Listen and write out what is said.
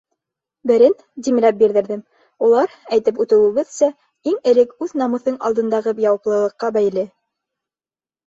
Берен — димләп бирҙерҙем, Улар, әйтеп үтеүебеҙсә, иң элек үҙ намыҫың алдындағы яуаплылыҡҡа бәйле.